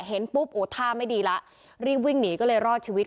เห็นปุ๊บโอ้ท่าไม่ดีแล้วรีบวิ่งหนีก็เลยรอดชีวิต